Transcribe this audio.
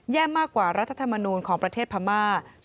แย่มากกว่ารัฐธรรมนูญของประเทศพระม่าสมัยก่อนการปฏิรูปประเทศ